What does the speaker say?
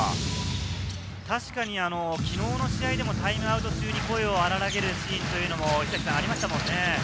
確かに昨日の試合ではタイムアウト中に声を荒らげるシーンがありましたもんね。